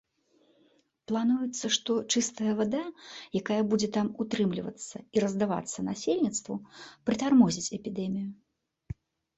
Плануецца, што чыстая вада, якая будзе там утрымлівацца і раздавацца насельніцтву, прытармозіць эпідэмію.